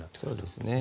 そうですね。